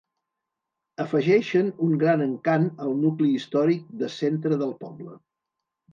Afegeixen un gran encant al nucli històric de centre del poble.